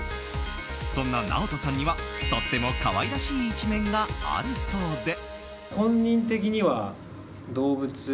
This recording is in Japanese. そんなＮＡＯＴＯさんにはとても可愛らしい一面があるそうで。